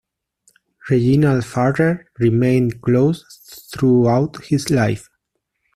Reginald Farrer remained close throughout his life.